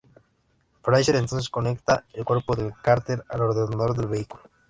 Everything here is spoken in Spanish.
Fraiser entonces conecta el cuerpo de Carter al ordenador del vehículo.